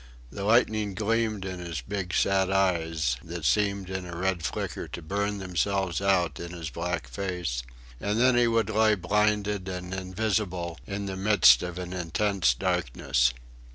The lightning gleamed in his big sad eyes that seemed in a red flicker to burn themselves out in his black face, and then he would lie blinded and invisible in the midst of an intense darkness.